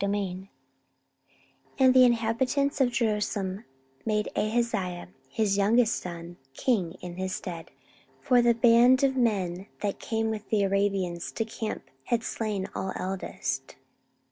14:022:001 And the inhabitants of Jerusalem made Ahaziah his youngest son king in his stead: for the band of men that came with the Arabians to the camp had slain all the eldest.